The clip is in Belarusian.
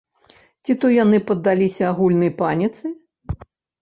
Ці то яны паддаліся агульнай паніцы?